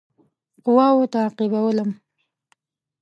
قواوو تعقیبولم.